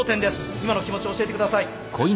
今の気持ち教えて下さい。